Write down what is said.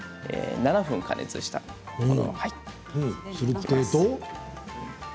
７分加熱したもの。